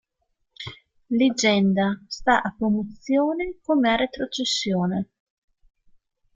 Legenda: =promozione; =retrocessione.